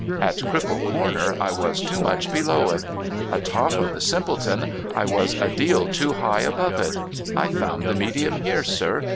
At Cripple Corner, I was too much below it. Atop of the Simpleton, I was a deal too high above it. I've found the medium here, sir.